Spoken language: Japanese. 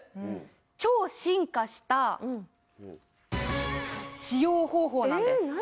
超進化した使用方法なんですえー